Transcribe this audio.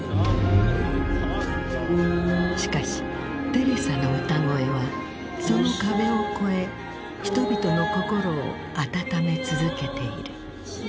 しかしテレサの歌声はその壁をこえ人々の心を温め続けている。